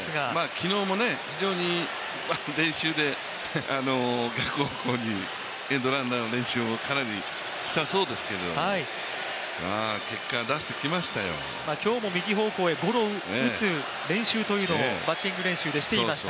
昨日も非常に練習で逆方向にエンドランの練習をかなりしていたそうですけれども、今日も右方向でゴロを打つバッティング練習でしてきました。